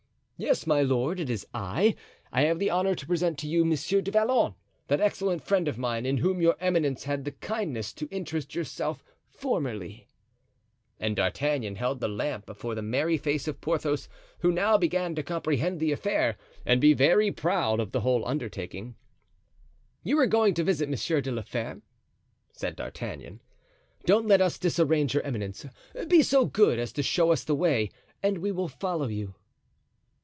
"Yes, my lord, it is I. I have the honor to present to you Monsieur du Vallon, that excellent friend of mine, in whom your eminence had the kindness to interest yourself formerly." And D'Artagnan held the lamp before the merry face of Porthos, who now began to comprehend the affair and be very proud of the whole undertaking. "You were going to visit Monsieur de la Fere?" said D'Artagnan. "Don't let us disarrange your eminence. Be so good as to show us the way and we will follow you."